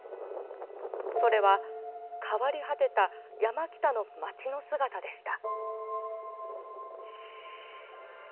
それは変わり果てた山北の町の姿でした。